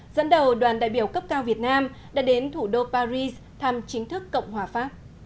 dẫn đầu đoàn đại biểu cấp cao việt nam đã đến thủ đô paris thăm chính thức cộng hòa pháp